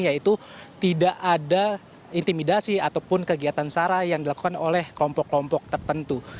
yaitu tidak ada intimidasi ataupun kegiatan sara yang dilakukan oleh kelompok kelompok tertentu